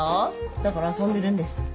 だから遊んでるんです。